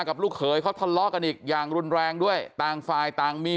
ลูกเขยเขาทะเลาะกันอีกอย่างรุนแรงด้วยต่างฝ่ายต่างมี